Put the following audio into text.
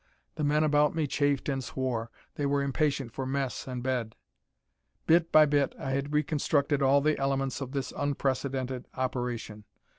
The men about me chafed and swore. They were impatient for mess and bed. Bit by bit I had reconstructed all the elements of this unprecedented operation.